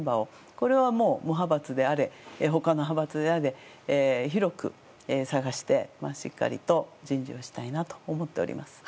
これはもう、無派閥であれ他の派閥であれ広く探して、しっかりと人事をしたいなと思っております。